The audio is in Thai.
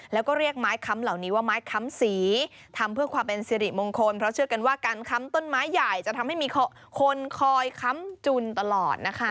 แล้วก็เรียกไม้ค้ำเหล่านี้ว่าไม้ค้ำสีทำเพื่อความเป็นสิริมงคลเพราะเชื่อกันว่าการค้ำต้นไม้ใหญ่จะทำให้มีคนคอยค้ำจุนตลอดนะคะ